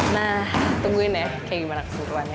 nah tungguin ya kayak gimana keseruannya